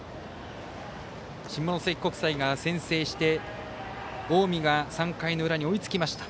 下関国際が先制して近江が３回の裏に追いつきました。